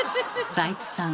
財津さん